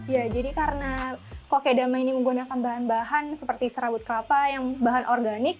ya jadi karena kokedama ini menggunakan bahan bahan seperti serabut kelapa yang bahan organik